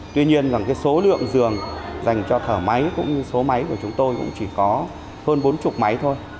tuy nhiên số lượng giường dành cho thở máy cũng như số máy của chúng tôi cũng chỉ có hơn bốn mươi máy thôi